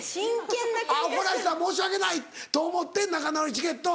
あぁ怒らした申し訳ないと思って仲直りチケット。